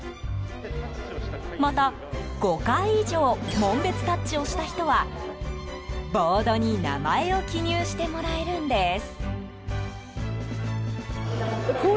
また５回以上、紋別タッチをした人はボードに名前を記入してもらえるんです。